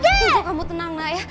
genzo tunggu kamu tenanglah ya